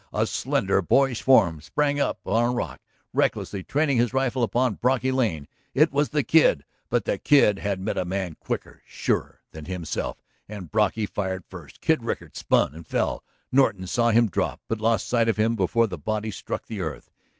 A slender, boyish form sprang up upon a rock recklessly, training his rifle upon Brocky Lane. It was the Kid. But the Kid had met a man quicker, surer, than himself, and Brocky fired first. Kid Rickard spun and fell. Norton saw him drop but lost sight of him before the body struck the earth.